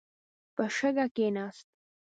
په شګه کښېناست.